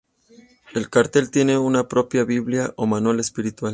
El cartel tiene su propia "biblia" o manual espiritual.